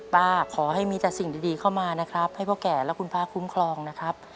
ขอให้มีแต่สิ่งดีเข้ามานะครับให้พ่อแก่และคุณป้าคุ้มครองนะครับ